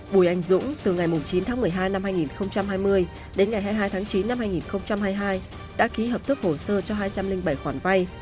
bùi anh dũng từ ngày chín tháng một mươi hai năm hai nghìn hai mươi đến ngày hai mươi hai tháng chín năm hai nghìn hai mươi hai đã ký hợp thức hồ sơ cho hai trăm linh bảy khoản vay